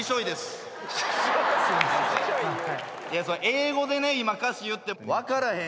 英語でね今歌詞言っても分からへん。